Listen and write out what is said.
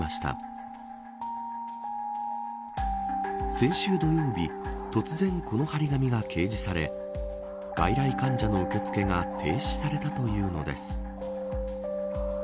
先週土曜日突然この貼り紙が掲示され外来患者の受け付けが停止されたというのです。